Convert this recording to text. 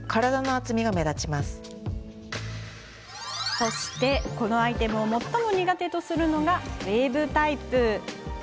そして、このアイテムを最も苦手とするのがウエーブタイプ。